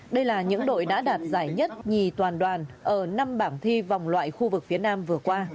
đây là những đội đã đạt giải nhất nhì toàn đoàn ở năm bảng thi vòng loại khu vực phía nam vừa qua